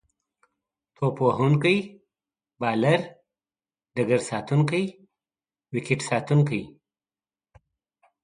توپ وهونکی، بالر، ډګرساتونکی، ويکټ ساتونکی